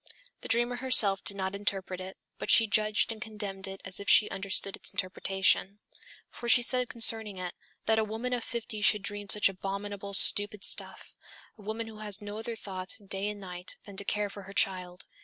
The dreamer herself did not interpret it, but she judged and condemned it as if she understood its interpretation. For she said concerning it: "That a woman of fifty should dream such abominable, stupid stuff a woman who has no other thought, day and night, than to care for her child!"